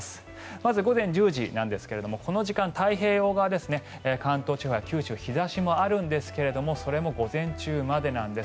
まず午前１０時なんですがこの時間、太平洋側ですね関東地方や九州日差しもあるんですがそれも午前中までなんです。